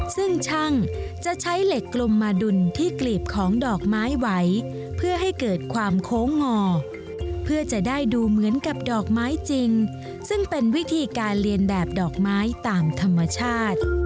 ซึ่งช่างจะใช้เหล็กกลมมาดุลที่กลีบของดอกไม้ไหวเพื่อให้เกิดความโค้งงอเพื่อจะได้ดูเหมือนกับดอกไม้จริงซึ่งเป็นวิธีการเรียนแบบดอกไม้ตามธรรมชาติ